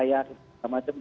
seperti kapal yang tidak layak